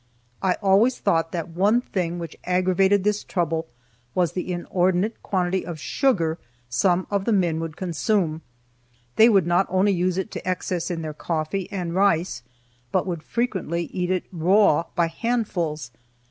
I always thought that one thing which aggravated this trouble was the inordinate quantity of sugar some of the men would consume. They would not only use it to excess in their coffee and rice, but would frequently eat it raw, by handfuls.